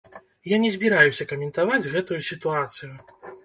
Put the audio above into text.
Я не збіраюся каментаваць гэтую сітуацыю.